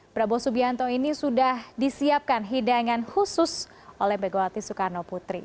prabowo subianto ini sudah disiapkan hidangan khusus oleh megawati soekarno putri